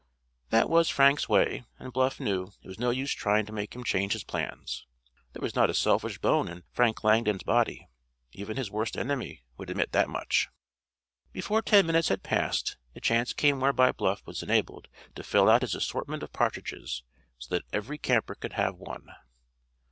That was Frank's way, and Bluff knew it was no use trying to make him change his plans. There was not a selfish bone in Frank Langdon's body—even his worst enemy would admit that much. Before ten minutes had passed the chance came whereby Bluff was enabled to fill out his assortment of partridges, so that every camper could have one.